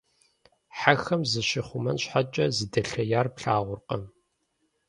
Хьэхэм зыщихъумэн щхьэкӏэ зыдэлъеяр плъагъуркъэ!